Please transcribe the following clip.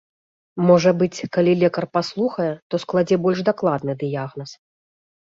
Можа быць, калі лекар паслухае, то складзе больш дакладны дыягназ.